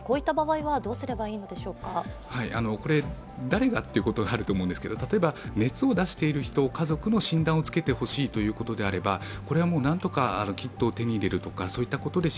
誰がということがあると思うんですけど、熱を出している人を家族の診断をつけてほしいというのであればこれはなんとかキットを手に入れるとかいったことで